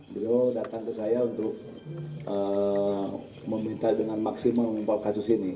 beliau datang ke saya untuk meminta dengan maksimal mengungkap kasus ini